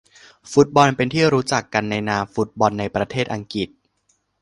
ฟุตบอลเป็นที่รู้จักกันในนามฟุตบอลในประเทศอังกฤษ